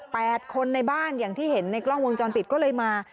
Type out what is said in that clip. คนในบ้านอย่างที่เห็นในกล้องวงจรปิดก็เลยมา